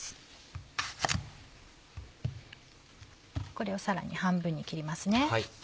これをさらに半分に切りますね。